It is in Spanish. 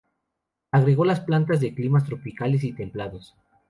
Agregó las plantas de climas tropicales y templados.